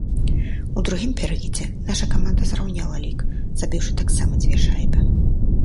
У другім перыядзе наша каманда зраўняла лік, забіўшы таксама дзве шайбы.